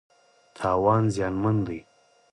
تاوان زیانمن دی.